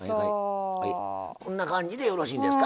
こんな感じでよろしいんですか。